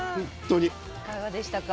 いかがでしたか？